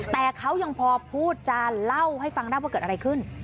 แต่เขายังพอพูดจานเล่าให้ฟังได้ว่าเกิดอะไรขึ้น